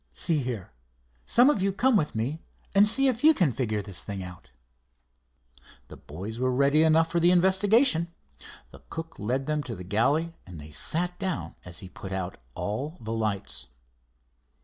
See here, some of you come with me and see if you can figure this thing out." The boys were ready enough for the investigation. The cook led them to the galley, and they sat down as he put out all the lights.